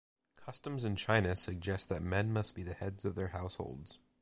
Customs in China suggest that men must be the heads of their households.